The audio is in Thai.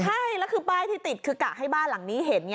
ใช่แล้วคือป้ายที่ติดคือกะให้บ้านหลังนี้เห็นไง